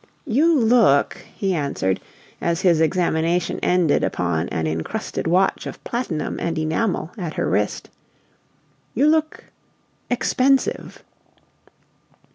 "You look," he answered, as his examination ended upon an incrusted watch of platinum and enamel at her wrist, "you look expensive!"